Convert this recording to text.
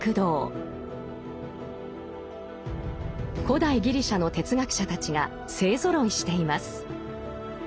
古代ギリシャの哲学者たちが勢ぞろいしています。